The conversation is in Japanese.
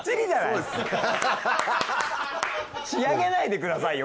仕上げないでくださいよ